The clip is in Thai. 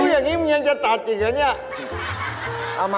นิ้วอย่างนี้มรึงก็จะตัดอีกละนี่